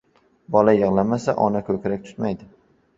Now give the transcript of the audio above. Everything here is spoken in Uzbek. • Bola yig‘lamasa ona ko‘krak tutmaydi.